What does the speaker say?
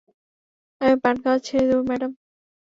আমি পান খাওয়া ছেড়ে দেব, ম্যাডাম।